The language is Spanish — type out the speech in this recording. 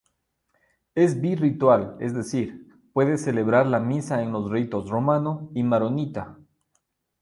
Es bi-ritual, es decir, puede celebrar la misa en los ritos romano y maronita.